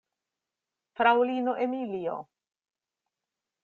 Fraŭlino Emilio!